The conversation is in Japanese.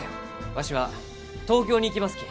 わしは東京に行きますき。